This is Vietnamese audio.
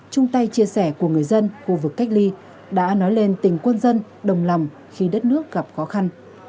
chung tay chia sẻ của người dân khu vực cách ly đã nói lên tình quân dân đồng lòng khi đất nước gặp khó khăn